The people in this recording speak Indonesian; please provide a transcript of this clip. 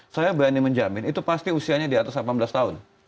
saya berani menjamin itu pasti usianya di atas delapan belas tahun